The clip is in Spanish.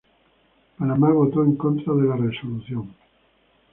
Panamá voto en contra de la resolución.